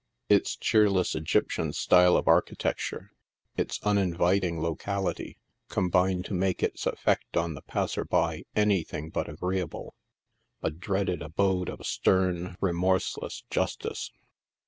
Its cheerless Egyptian style of archi tecture, its uninviting locality, combine to make its effect on the passer by anything but agreeable — a dreaded abode of stern, re morseless justice.